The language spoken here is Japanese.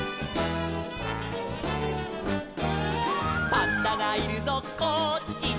「パンダがいるぞこっちだ」